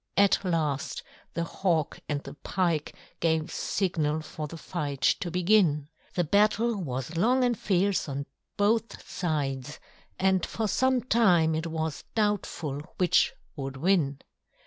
At last the Hawk and the Pike gave signal for the fight to begin. The battle was long and fierce on both sides, and for some time it was doubtful which would win.